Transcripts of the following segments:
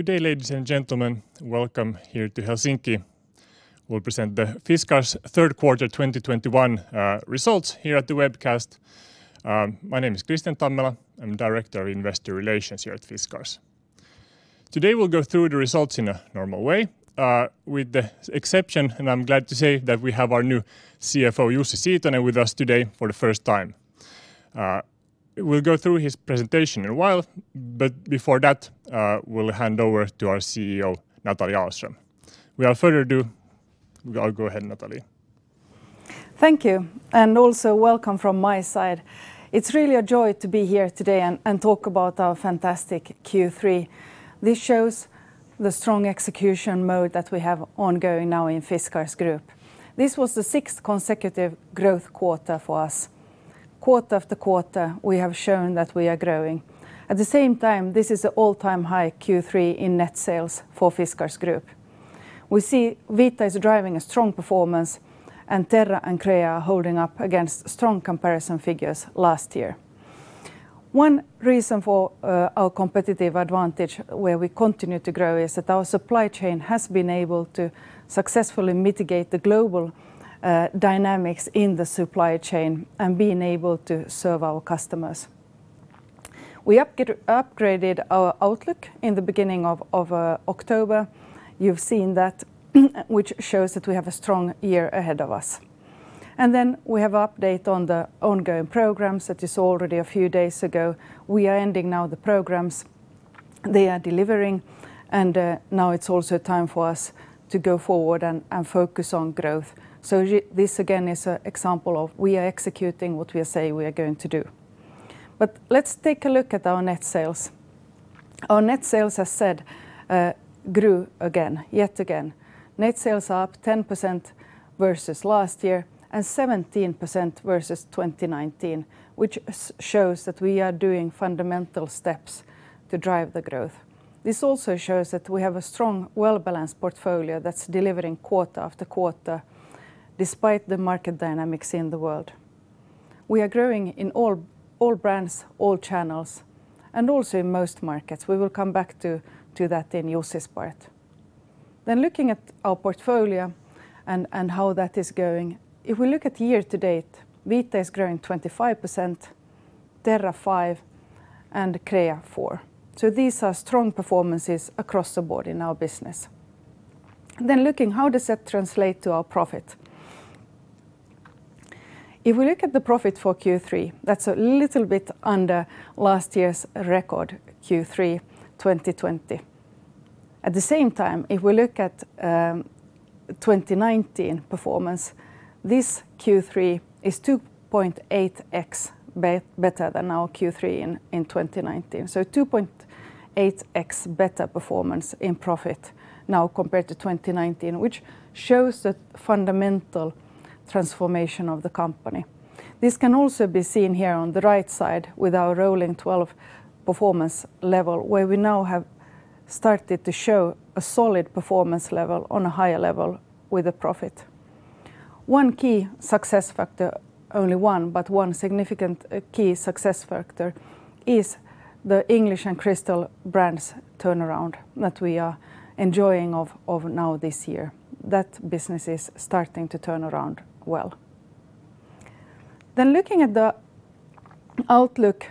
Good day, ladies and gentlemen. Welcome here to Helsinki. We'll present the Fiskars third quarter 2021 results here at the webcast. My name is Kristian Tammela. I'm Director, Investor Relations here at Fiskars. Today, we'll go through the results in a normal way, with the exception, and I'm glad to say that we have our new CFO, Jussi Siitonen, with us today for the first time. We'll go through his presentation in a while. But before that, we'll hand over to our CEO, Nathalie Ahlström. Without further ado, go ahead, Nathalie. Thank you, and also welcome from my side. It's really a joy to be here today and talk about our fantastic Q3. This shows the strong execution mode that we have ongoing now in Fiskars Group. This was the sixth consecutive growth quarter for us. Quarter after quarter, we have shown that we are growing. At the same time, this is an all-time high Q3 in net sales for Fiskars Group. We see Vita is driving a strong performance, and Terra and Crea are holding up against strong comparison figures last year. One reason for our competitive advantage where we continue to grow is that our supply chain has been able to successfully mitigate the global dynamics in the supply chain and been able to serve our customers. We upgraded our outlook in the beginning of over October, you've seen that, which shows that we have a strong year ahead of us. Then we have update on the ongoing programs that is already a few days ago. We are ending now the programs they are delivering, and now it's also time for us to go forward and focus on growth. This again is a example of we are executing what we are saying we are going to do. Let's take a look at our net sales. Our net sales, as said, grew again, yet again. Net sales are up 10% versus last year and 17% versus 2019, which shows that we are doing fundamental steps to drive the growth. This also shows that we have a strong well-balanced portfolio that's delivering quarter after quarter despite the market dynamics in the world. We are growing in all brands, all channels, and also in most markets. We will come back to that in Jussi's part. Looking at our portfolio and how that is going, if we look at year to date, Vita is growing 25%, Terra 5%, and Crea 4%. So these are strong performances across the board in our business. Looking how does that translate to our profit. If we look at the profit for Q3, that's a little bit under last year's record Q3 2020. At the same time, if we look at 2019 performance, this Q3 is 2.8x better than our Q3 in 2019. 2.8x better performance in profit now compared to 2019, which shows the fundamental transformation of the company. This can also be seen here on the right side with our rolling 12 performance level where we now have started to show a solid performance level on a higher level with the profit. One key success factor, only one, but one significant key success factor is the Wedgwood and Waterford brands turnaround that we are enjoying now this year. That business is starting to turn around well. Looking at the outlook,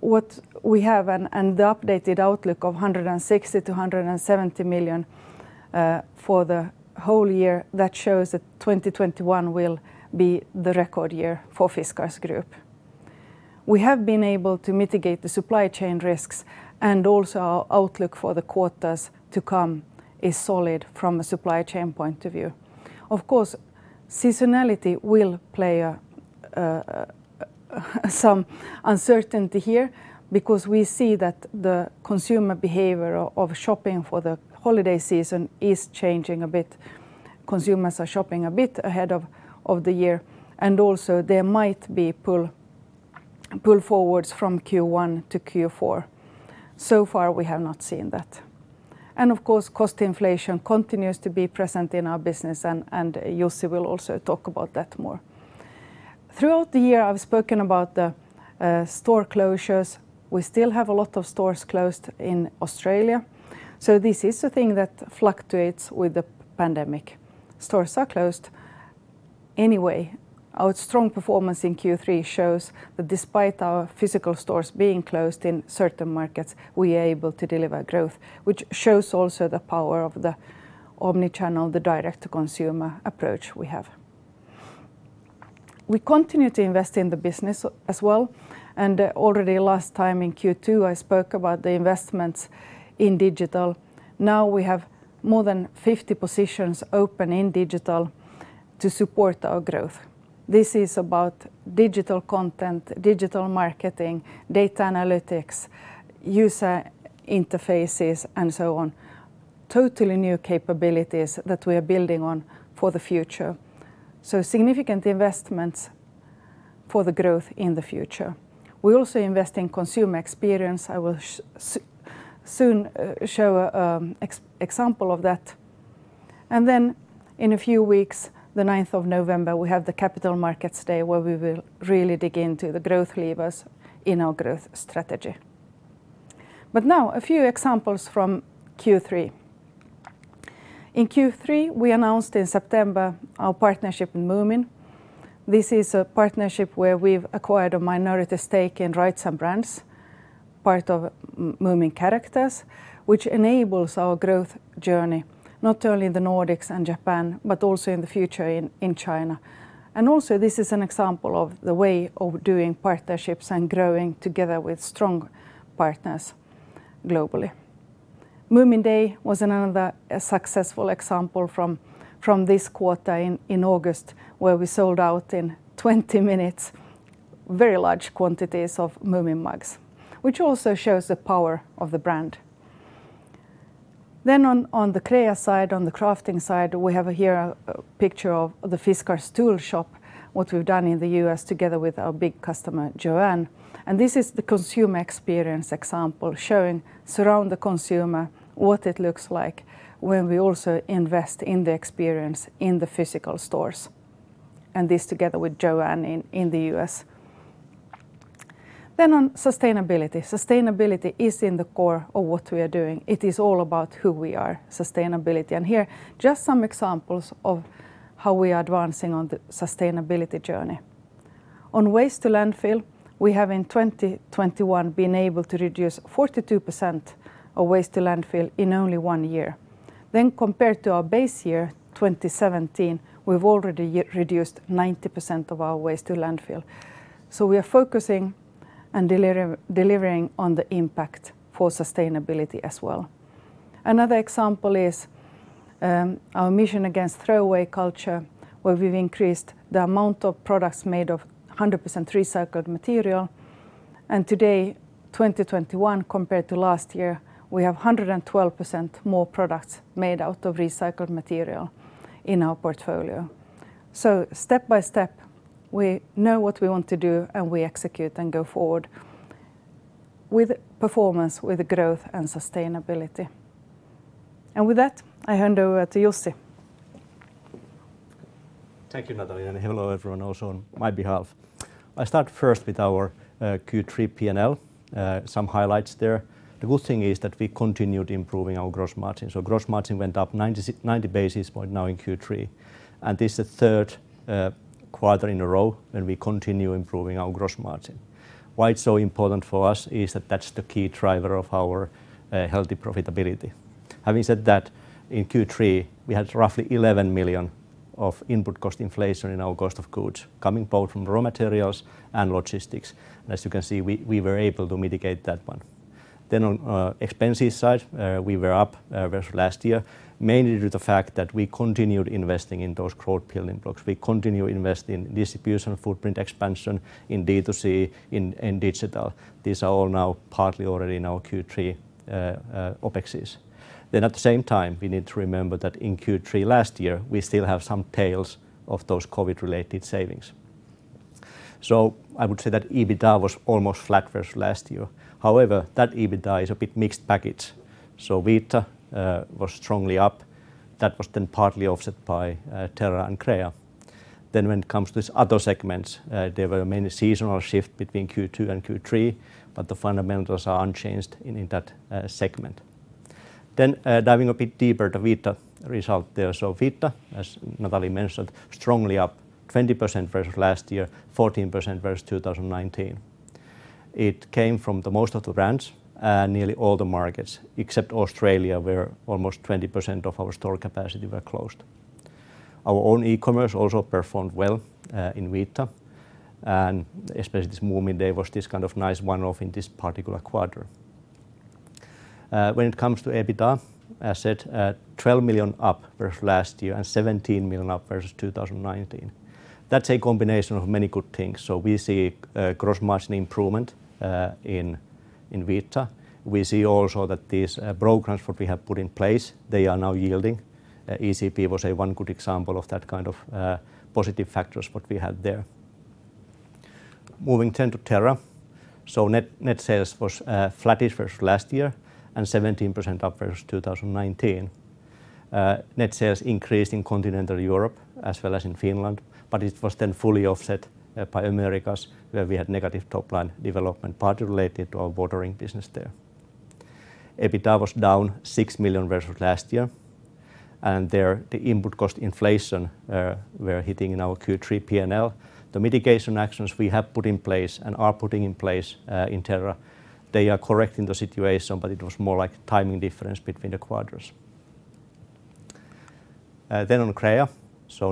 what we have and the updated outlook of 160 million-170 million for the whole year, that shows that 2021 will be the record year for Fiskars Group. We have been able to mitigate the supply chain risks and also our outlook for the quarters to come is solid from a supply chain point of view. Of course, seasonality will play some uncertainty here because we see that the consumer behavior of shopping for the holiday season is changing a bit. Consumers are shopping a bit ahead of the year, and also there might be pull forwards from Q1 to Q4. So far, we have not seen that. Of course, cost inflation continues to be present in our business and Jussi will also talk about that more. Throughout the year, I've spoken about the store closures. We still have a lot of stores closed in Australia, so this is a thing that fluctuates with the pandemic. Stores are closed. Anyway, our strong performance in Q3 shows that despite our physical stores being closed in certain markets, we are able to deliver growth, which shows also the power of the omni-channel, the direct to consumer approach we have. We continue to invest in the business as well, and already last time in Q2, I spoke about the investments in digital. Now we have more than 50 positions open in digital to support our growth. This is about digital content, digital marketing, data analytics, user interfaces, and so on. Totally new capabilities that we are building on for the future. Significant investments for the growth in the future. We also invest in consumer experience. I will soon show a example of that. In a few weeks, the ninth of November, we have the Capital Markets Day where we will really dig into the growth levers in our growth strategy. Now a few examples from Q3. In Q3, we announced in September our partnership in Moomin. This is a partnership where we've acquired a minority stake in Rights & Brands, part of Moomin Characters, which enables our growth journey, not only in the Nordics and Japan, but also in the future in China. Also this is an example of the way of doing partnerships and growing together with strong partners globally. Moomin Day was another successful example from this quarter in August, where we sold out in 20 minutes very large quantities of Moomin mugs, which also shows the power of the brand. Then on the Crea side, on the crafting side, we have here a picture of the Fiskars Tool Shop, what we've done in the U.S. together with our big customer, JOANN. This is the consumer experience example showing surrounding the consumer, what it looks like when we also invest in the experience in the physical stores, and this together with JOANN in the U.S. Then on sustainability. Sustainability is in the core of what we are doing. It is all about who we are, sustainability. Here just some examples of how we are advancing on the sustainability journey. On waste to landfill, we have in 2021 been able to reduce 42% of waste to landfill in only one year. Then compared to our base year, 2017, we've already reduced 90% of our waste to landfill. So we are focusing and delivering on the impact for sustainability as well. Another example is, our mission against throwaway culture, where we've increased the amount of products made of 100% recycled material. Today, 2021 compared to last year, we have 112% more products made out of recycled material in our portfolio. So step by step, we know what we want to do, and we execute and go forward with performance, with growth and sustainability. And with that, I hand over to Jussi. Thank you, Nathalie, and hello, everyone also on my behalf. I start first with our Q3 P&L, some highlights there. The good thing is that we continued improving our gross margin. Gross margin went up 90 basis points now in Q3, and this is the third quarter in a row, and we continue improving our gross margin. Why it's so important for us is that that's the key driver of our healthy profitability. Having said that, in Q3, we had roughly 11 million of input cost inflation in our cost of goods coming both from raw materials and logistics. As you can see, we were able to mitigate that one. Then on expenses side, we were up versus last year, mainly due to the fact that we continued investing in those growth building blocks. We continue investing in distribution, footprint expansion in D2C, in digital. These are all now partly already in our Q3 OpExes. At the same time, we need to remember that in Q3 last year, we still have some tails of those COVID-related savings. So I would say that EBITDA was almost flat versus last year. However, that EBITDA is a bit mixed package. Vita was strongly up. That was then partly offset by Terra and Crea. When it comes to these other segments, there were many seasonal shift between Q2 and Q3, but the fundamentals are unchanged in that segment. Diving a bit deeper, the Vita result there. Vita, as Nathalie mentioned, strongly up 20% versus last year, 14% versus 2019. It came from most of the brands and nearly all the markets, except Australia, where almost 20% of our store capacity were closed. Our own e-commerce also performed well in Vita, and especially this Moomin Day was this kind of nice one-off in this particular quarter. When it comes to EBITDA, as said, 12 million up versus last year and 17 million up versus 2019. That's a combination of many good things. We see a gross margin improvement in Vita. We see also that these programs what we have put in place, they are now yielding. ECP was a good one example of that kind of positive factors what we had there. Moving to Terra. Net sales was flattish versus last year and 17% up versus 2019. Net sales increased in Continental Europe as well as in Finland, but it was then fully offset by Americas, where we had negative top-line development, partly related to our watering business there. EBITDA was down 6 million versus last year, and there the input cost inflation were hitting in our Q3 P&L. The mitigation actions we have put in place and are putting in place in Terra, they are correcting the situation, but it was more like timing difference between the quarters. Then on Crea.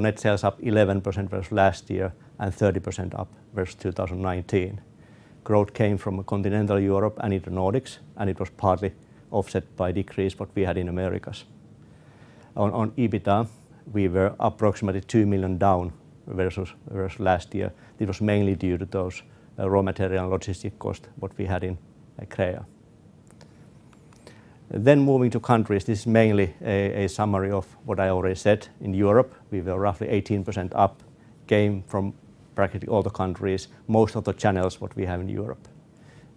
Net sales up 11% versus last year and 30% up versus 2019. Growth came from Continental Europe and in the Nordics, and it was partly offset by decrease what we had in Americas. On EBITDA, we were approximately 2 million down versus last year. It was mainly due to those raw materials and logistics costs that we had in Crea. Then moving to countries. This is mainly a summary of what I already said. In Europe, we were roughly 18% up, came from practically all the countries, most of the channels that we have in Europe.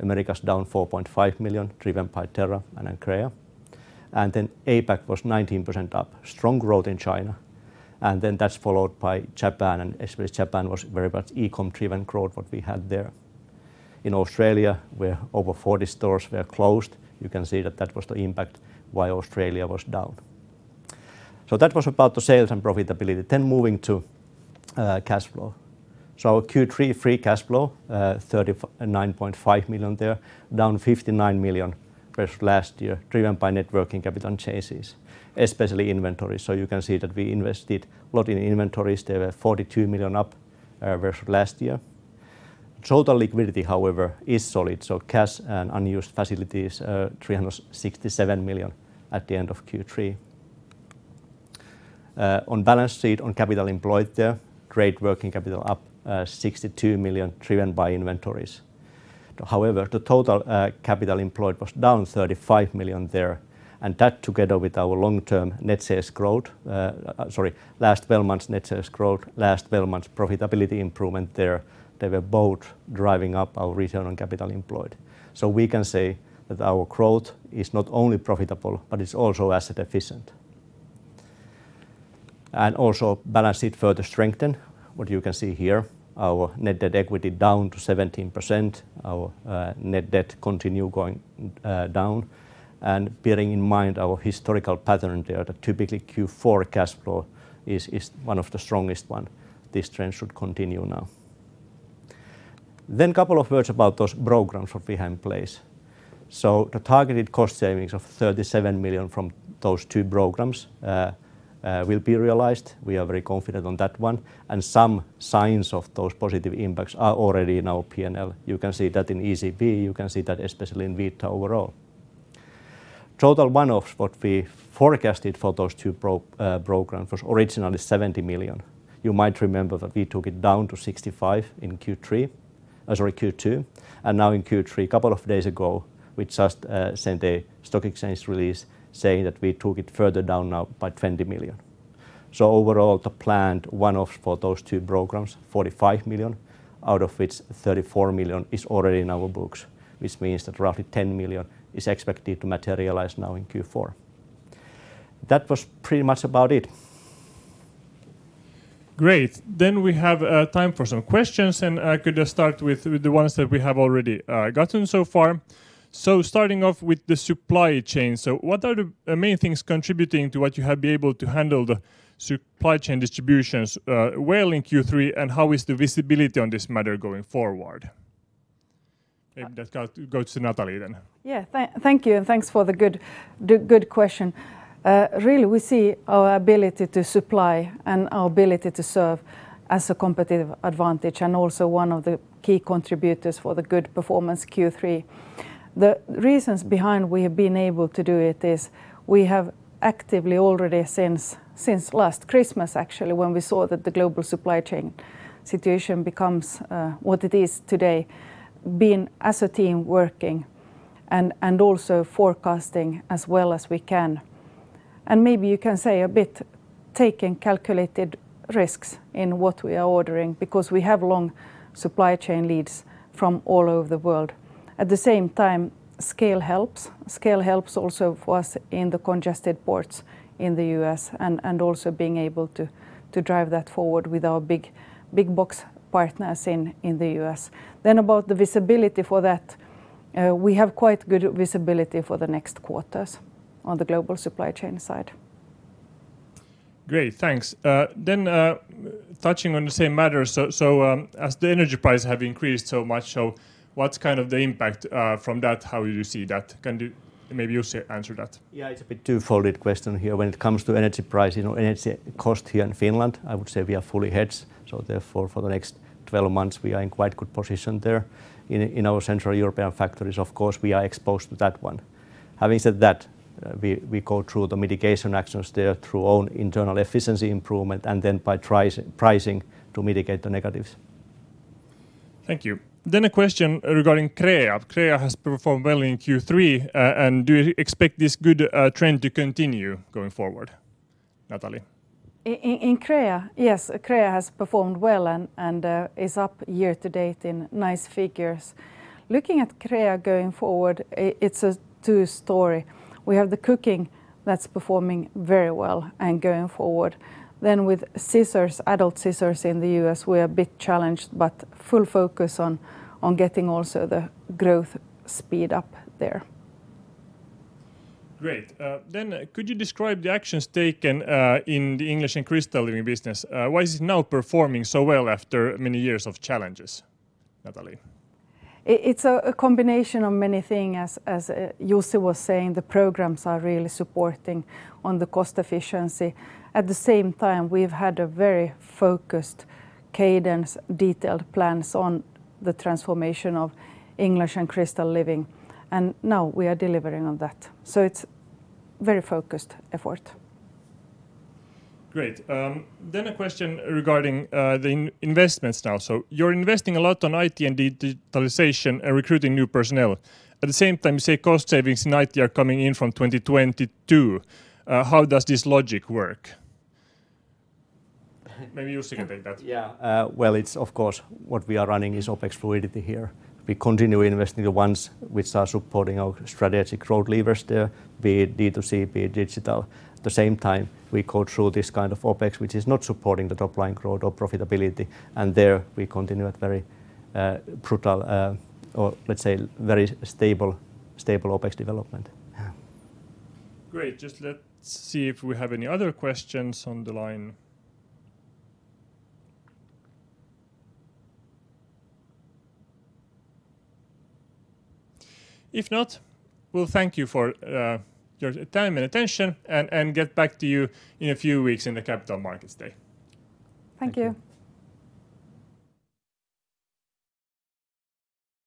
Americas down 4.5 million, driven by Terra and then Crea. And then APAC was 19% up, strong growth in China, and then that's followed by Japan, and especially Japan was very much e-com driven growth that we had there. In Australia, where over 40 stores were closed, you can see that was the impact why Australia was down. That was about the sales and profitability. Moving to cash flow. Q3 free cash flow, 39.5 million there, down 59 million versus last year, driven by net working capital changes, especially inventory. You can see that we invested a lot in inventories. They were 42 million up versus last year. Total liquidity, however, is solid, so cash and unused facilities, 367 million at the end of Q3. On balance sheet, on capital employed there, net working capital up, 62 million, driven by inventories. However, the total, capital employed was down 35 million there, and that together with our last 12 months net sales growth, last twelve months profitability improvement there, they were both driving up our return on capital employed. We can say that our growth is not only profitable, but it's also asset efficient. Our balance sheet further strengthened, what you can see here, our net debt to equity down to 17%. Our net debt continues going down. Bearing in mind our historical pattern there, the typical Q4 cash flow is one of the strongest one. This trend should continue now. Couple of words about those programs what we have in place. The targeted cost savings of 37 million from those two programs will be realized. We are very confident on that one. Some signs of those positive impacts are already in our P&L. You can see that in ECP. You can see that especially in Vita overall. Total one-offs what we forecasted for those two programs was originally 70 million. You might remember that we took it down to 65 million in Q3, or sorry, Q2, and now in Q3, couple of days ago, we just sent a stock exchange release saying that we took it further down now by 20 million. Overall, the planned one-offs for those two programs, 45 million, out of which 34 million is already in our books, which means that roughly 10 million is expected to materialize now in Q4. That was pretty much about it. Great. We have time for some questions, and I could start with the ones that we have already gotten so far. Starting off with the supply chain, what are the main things contributing to what you have been able to handle the supply chain disruptions well in Q3, and how is the visibility on this matter going forward? Maybe that goes to Nathalie then. Yeah. Thank you, and thanks for the good question. Really, we see our ability to supply and our ability to serve as a competitive advantage and also one of the key contributors for the good performance Q3. The reasons behind we have been able to do it is we have actively already, since last Christmas actually, when we saw that the global supply chain situation becomes what it is today, been as a team working and also forecasting as well as we can. Maybe you can say a bit taking calculated risks in what we are ordering because we have long supply chain leads from all over the world. At the same time, scale helps. Scale helps also for us in the congested ports in the U.S. and also being able to drive that forward with our big box partners in the U.S. About the visibility for that, we have quite good visibility for the next quarters on the global supply chain side. Great. Thanks. Touching on the same matter, so as the energy prices have increased so much, so what's kind of the impact from that? How you see that? Can you? Maybe Jussi answer that. Yeah. It's a bit twofold question here. When it comes to energy price, you know, energy cost here in Finland, I would say we are fully hedged, so therefore, for the next 12 months we are in quite good position there. In our Central European factories, of course, we are exposed to that one. Having said that, we go through the mitigation actions there through own internal efficiency improvement and then by pricing to mitigate the negatives. Thank you. A question regarding Crea. Crea has performed well in Q3, and do you expect this good trend to continue going forward? Nathalie? In Crea, yes. Crea has performed well and is up year to date in nice figures. Looking at Crea going forward, it's a two-story. We have the cooking that's performing very well and going forward. Then with scissors, adult scissors in the U.S., we're a bit challenged, but full focus on getting also the growth speed up there. Great. Could you describe the actions taken in the English & Crystal Living business? Why is it now performing so well after many years of challenges, Nathalie? It's a combination of many things. As Jussi was saying, the programs are really supporting on the cost efficiency. At the same time, we've had a very focused cadence, detailed plans on the transformation of English & Crystal Living, and now we are delivering on that. It's very focused effort. Great. A question regarding the investments now. You're investing a lot on IT and digitalization and recruiting new personnel. At the same time, you say cost savings in IT are coming in from 2022. How does this logic work? Maybe Jussi can take that. Yeah. Well, it's of course what we are running is OpEx efficiency here. We continue investing the ones which are supporting our strategic growth levers there, be it D2C, be it digital. At the same time, we go through this kind of OpEx, which is not supporting the top line growth or profitability, and there we continue at very brutal, or let's say very stable OpEx development. Yeah. Great. Just let's see if we have any other questions on the line. If not, we'll thank you for your time and attention and get back to you in a few weeks in the Capital Markets Day. Thank you.